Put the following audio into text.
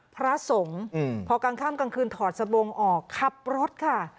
พระสงฆ์พอกลางค่ำกลางคืนถอดสบงออกขับรถค่ะ